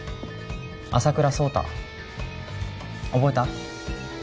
朝倉奏汰覚えた？